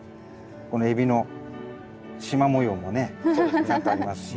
この海老のしま模様もねちゃんとありますし。